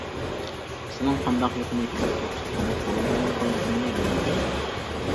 سېنىڭ قانداقلىقىنى تەلتۆكۈس تونۇپ بولالمايدىغانلىقىمنى بىلىمەن.